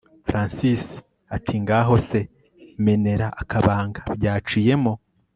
Francis atingaho se menera akabanga byaciyemo